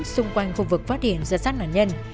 xung quanh khu vực phát hiện ra sát nạn nhân